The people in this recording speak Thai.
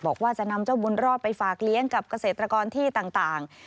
บอกว่าจะนำเจ้าบุญรอดไปฝากเลี้ยงกับเกษตรกรที่ต่าง